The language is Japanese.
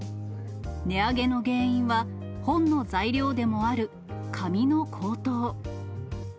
値上げの原因は、ほんの材料でもある紙の高騰。